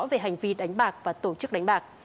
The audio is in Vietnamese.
về hành vi đánh bạc và tổ chức đánh bạc